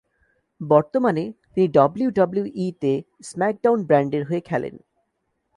বর্তমানে তিনি ডব্লিউডব্লিউই-তে "স্ম্যাকডাউন" ব্র্যান্ডের হয়ে খেলেন।